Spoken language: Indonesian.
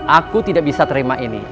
aku tidak bisa terima ini